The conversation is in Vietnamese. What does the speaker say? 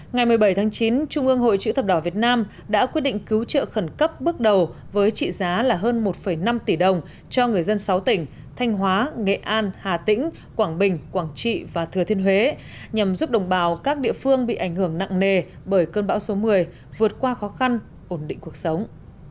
ngày một mươi bảy tháng chín trung ương hội chữ thập đỏ việt nam đã quyết định cứu trợ khẩn cấp bước đầu với trị giá hơn một năm tỷ đồng cho người dân sáu tỉnh thanh hóa nghệ an hà tĩnh quảng bình quảng trị và thừa thiên huế nhằm giúp đồng bào các địa phương bị ảnh hưởng nặng nề bởi cơn bão số một mươi vượt qua khó khăn ổn định cuộc sống